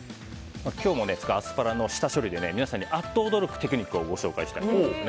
今日も使うアスパラの下処理で皆さんにアッと驚くテクニックをご紹介したいと思います。